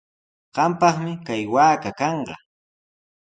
Qampaqmi kay waaka kanqa.